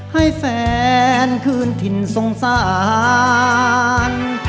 ให้แฟนคืนถิ่นสงสาร